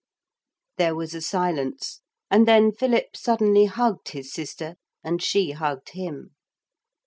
There was a silence, and then Philip suddenly hugged his sister and she hugged him.